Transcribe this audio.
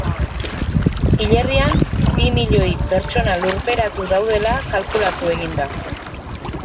Hilerrian bi milioi pertsona lurperatu daudela kalkulatu egin da.